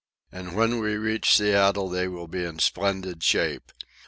And when we reach Seattle they will be in splendid shape.